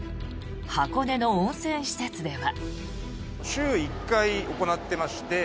箱根の温泉施設では。